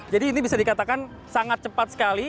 jadi ini bisa dikatakan sangat cepat sekali